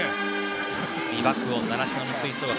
美爆音、習志野の吹奏楽。